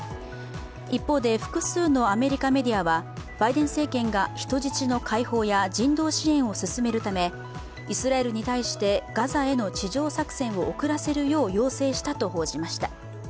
一方で、複数のアメリカメディアはハイデン政権が人質の解放や人道支援を進めるため、イスラエルに対してガザへの地上作戦を遅らせるよう要請したと報じました。